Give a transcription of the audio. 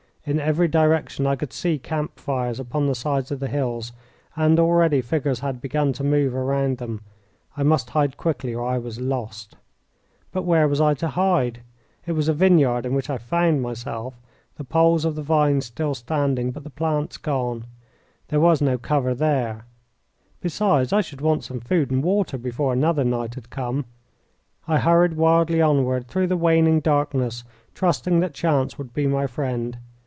In every direction I could see camp fires upon the sides of the hills, and already figures had begun to move around them. I must hide quickly, or I was lost. But where was I to hide? It was a vineyard in which I found myself, the poles of the vines still standing, but the plants gone. There was no cover there. Besides, I should want some food and water before another night had come. I hurried wildly onward through the waning darkness, trusting that chance would be my friend.